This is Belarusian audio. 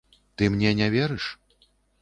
Ты мне не верыш?